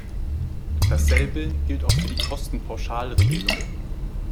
Dasselbe gilt auch für die Kostenpauschalregelung.